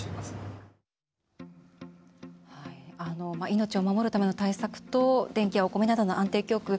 命を守るための対策と電気やお米などの安定供給。